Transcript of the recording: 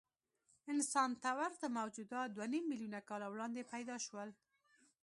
انسان ته ورته موجودات دوهنیم میلیونه کاله وړاندې پیدا شول.